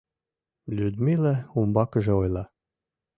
Людмила умбакыже ойла: